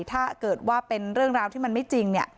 ถ้าเกิดว่าเป็นเรื่องราวที่มันไม่จริงเนี่ย